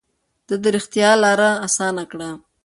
ده د رښتيا لاره اسانه کړه.